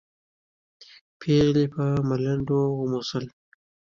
پېغلې په ملنډو وموسل.